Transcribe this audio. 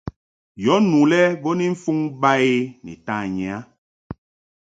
Yɔ nu lɛ bo ni mfuŋ ba i ni tanyi a.